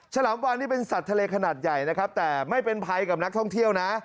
ฉลามวานนี่เป็นสัตว์ทะเลขนาดใหญ่นะครับแต่ไม่เป็นภัยกับนักท่องเที่ยวนะ